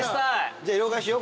じゃあ両替しよう。